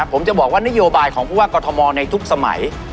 ผมจะบอกว่านโยบายของผู้ว่ากรทมในทุกสมัย